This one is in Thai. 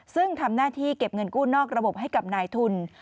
ซึ่งทำหน้าที่เก็บเงินกู้นอกระบบให้กับนายทุน